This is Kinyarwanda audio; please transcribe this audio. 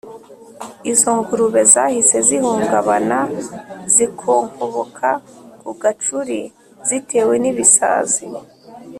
izo ngurube zahise zihungabana, zikonkoboka ku gacuri zitewe n’ibisazi